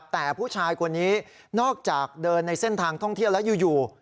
แต่ผู้ชายคนนี้นอกจากเดินในเส้นทางท่องเที่ยวแล้วอยู่